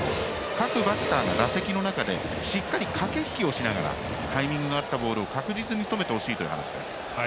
各バッターが打席の中でしっかり駆け引きをしながらタイミングの合ったボールを確実にしとめてほしいという話です。